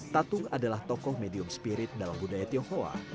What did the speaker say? tatung adalah tokoh medium spirit dalam budaya tionghoa